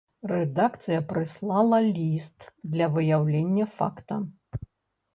Рэдакцыя прыслала ліст для выяўлення факта.